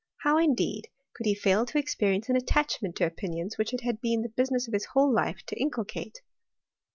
How, indeed, could he &0 to experience an attachment to opinions which it had been the business of his whole life to inculcate